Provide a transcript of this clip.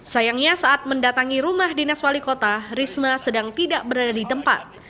sayangnya saat mendatangi rumah dinas wali kota risma sedang tidak berada di tempat